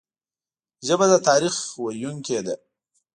ژبه د تاریخ ویونکي ده